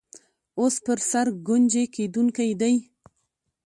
اوس پر سر ګنجۍ کېدونکی دی.